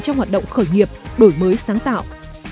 trong hoạt động khởi nghiệp đổi mới sáng tạo